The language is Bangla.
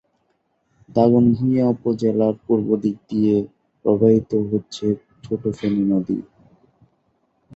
দাগনভূঞা উপজেলার পূর্ব দিক দিয়ে প্রবাহিত হচ্ছে ছোট ফেনী নদী।